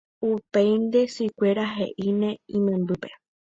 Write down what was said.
Upéinte sykuéra he'íne imembýpe